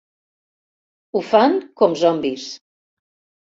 Ho fan, com zombis.